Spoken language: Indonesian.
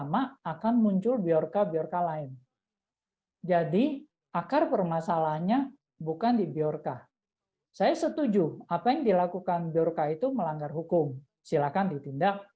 dan nama ibu kandung dan nomornya tidak dikenal